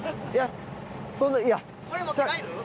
いやそんないや。